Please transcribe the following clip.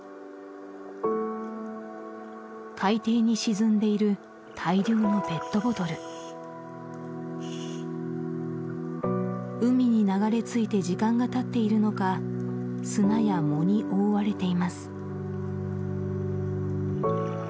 海底に沈んでいる大量のペットボトル海に流れ着いて時間がたっているのか砂や藻に覆われています